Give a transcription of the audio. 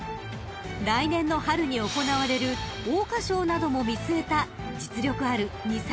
［来年の春に行われる桜花賞なども見据えた実力ある２歳